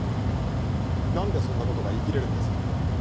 なんでそんな事が言いきれるんですか？